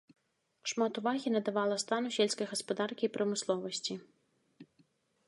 Шмат увагі надавала стану сельскай гаспадаркі і прамысловасці.